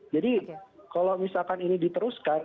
jadi kalau misalkan ini diteruskan